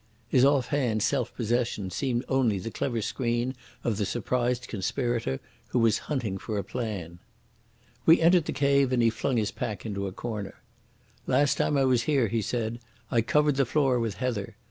His off hand self possession seemed only the clever screen of the surprised conspirator who was hunting for a plan. We entered the cave, and he flung his pack into a corner. "Last time I was here," he said, "I covered the floor with heather.